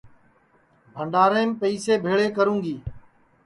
بھڈؔاریم پئسے بھیݪے کروں گی